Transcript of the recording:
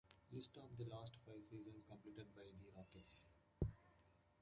List of the last five seasons completed by the Rockets.